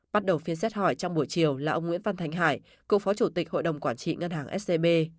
bắt đầu phiên xét hỏi trong buổi chiều là ông nguyễn văn thành hải cựu phó chủ tịch hội đồng quản trị ngân hàng scb